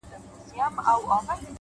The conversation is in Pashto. • په اوږد مزله کي به دي پر لار سم ,